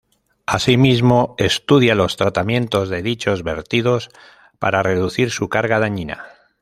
Asimismo, estudia los tratamientos de dichos vertidos para reducir su carga dañina.